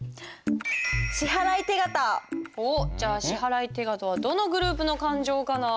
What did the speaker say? おっじゃあ支払手形はどのグループの勘定かな？